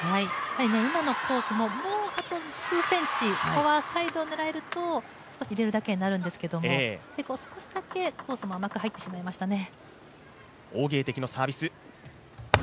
今のコースも、もう数センチフォアサイドを狙っていけると少し入れるだけになるんですけれども、少しだけコースが甘く入ってしまいましたね。